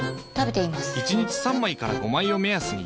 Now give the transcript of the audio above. １日３枚から５枚を目安に。